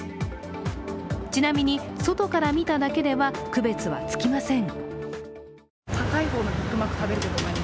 ちなみに外から見ただけでは区別はつきません。